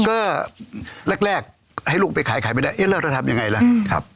ก็แรกให้ลูกไปขายไม่ได้แล้วเราจะทำยังไงละ